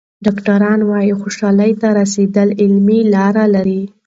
ډاکټران وايي خوشحالۍ ته رسېدل علمي لاره لري.